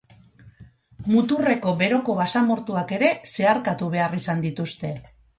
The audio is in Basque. Muturreko beroko basamortuak ere zeharkatu behar izan dituzte.